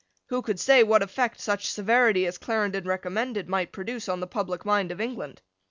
Who could say what effect such severity as Clarendon recommended might produce on the public mind of England?